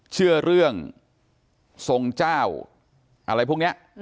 เชื่อเรื่องทรงเจ้าอะไรพวกนี้